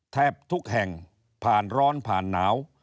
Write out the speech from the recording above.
แทบทุกแห่งผ่านร้อนผ่านหนาว